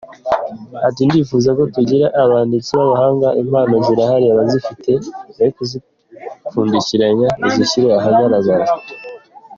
Ati “Ndifuza ko tugira abanditsi b’abahanga, impano zirahari abazifite be kuzipfundikirana bazishyire agaharagara.